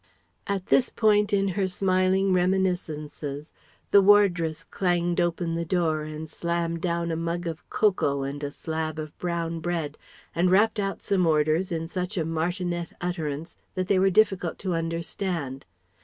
At this point in her smiling reminiscences, the wardress clanged open the door and slammed down a mug of cocoa and a slab of brown bread; and rapped out some orders in such a martinet utterance that they were difficult to understand.